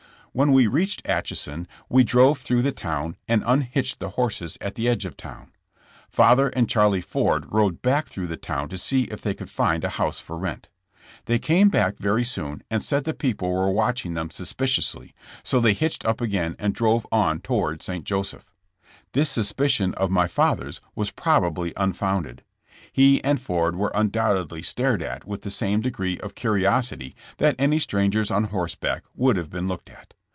When we reached Atchison we drove through the town and unhitched the horses at the edge of the town. Father and Charlie Ford rode back through the town to see if they could find a house for rent. They came back very soon and said the people were watching them suspiciously, so they hitched up again and drove on toward St. Joseph. This suspicion of my father's was probably un founded. He and Ford were undoubtedly stared at with the same degree of curiosity that any strangers on horseback would have been looked at.